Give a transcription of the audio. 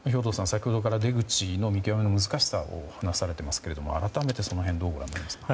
先ほどから出口の見極めの難しさを話されていますけれども改めて、その辺どうご覧になりますか？